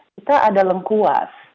kita ada lengkuas